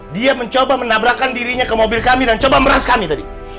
dia mencoba menabrakkan dirinya ke mobil kami dan coba meras kami tadi